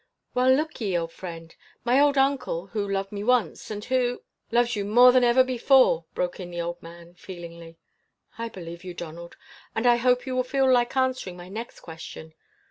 "Well, look ye, old friend my old 'uncle,' who loved me once, and who " "Loves you more than ever before," broke in the old man, feelingly. "I believe you, Donald; and I hope you will feel like answering my next question.